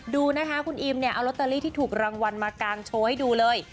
ดูนะคะคุณอิมเนี่ยเอาลอตเตอรี่ที่ถูกรางวัลมากางโชว์ให้ดูเลย